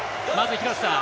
廣瀬さん